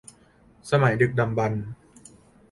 สมัยดึกดำบรรพ์